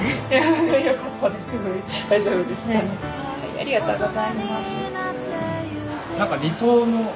ありがとうございます。